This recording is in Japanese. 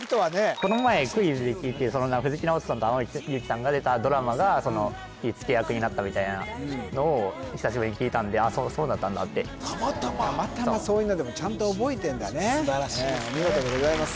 この前でクイズで聞いて藤木直人さんと天海祐希さんが出たドラマがその火付け役になったみたいなのを久しぶりに聞いたんであっそうだったんだってたまたまたまたまそういうのでもちゃんと覚えてるんだね素晴らしいですねお見事でございます